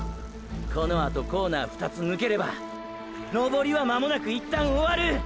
このあとコーナー２つぬければ登りは間もなく一旦終わる。